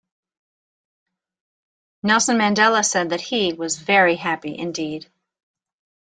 Nelson Mandela said that he was "very happy indeed".